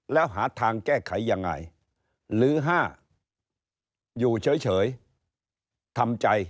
แล้วหาทางแก้ไขยังไงหรือ๕อยู่เฉยทำใจ